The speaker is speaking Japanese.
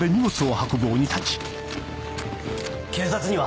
警察には？